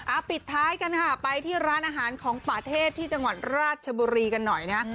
ปิดท้ายกันค่ะไปที่ร้านอาหารของป่าเทพที่จังหวัดราชบุรีกันหน่อยนะ